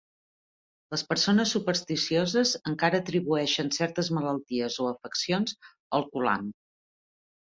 Les persones supersticioses encara atribueixen certes malalties o afeccions al "kulam".